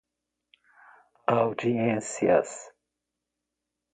audiências